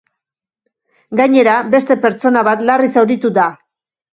Gainera, beste pertsona bat larri zauritu da.